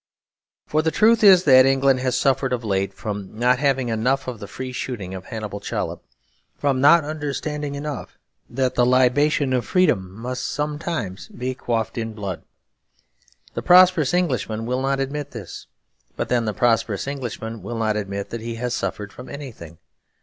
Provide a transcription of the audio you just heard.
For the truth is that England has suffered of late from not having enough of the free shooting of Hannibal Chollop; from not understanding enough that the libation of freedom must sometimes be quaffed in blood. The prosperous Englishman will not admit this; but then the prosperous Englishman will not admit that he has suffered from anything.